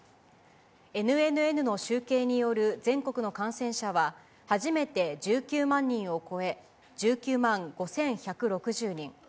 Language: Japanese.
ＮＮＮの集計による全国の感染者は、初めて１９万人を超え、１９万５１６０人。